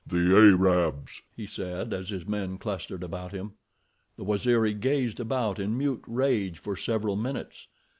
"The Arabs," he said, as his men clustered about him. The Waziri gazed about in mute rage for several minutes.